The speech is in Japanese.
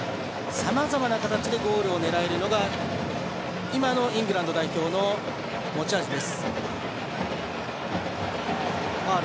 さまざまな形でゴールを狙えるのが今のイングランド代表の持ち味です。